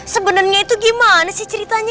sebenarnya itu gimana sih ceritanya